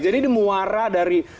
jadi di muara dari